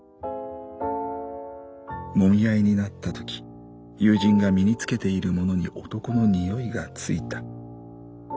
揉み合いになったとき友人が身に着けているものに男の匂いがついた。